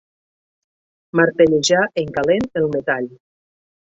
Martellejar en calent el metall.